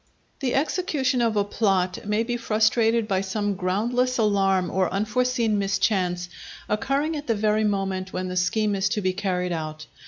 The execution of a plot may be frustrated by some groundless alarm or unforeseen mischance occurring at the very moment when the scheme is to be carried out.